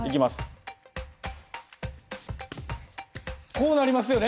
こうなりますよね？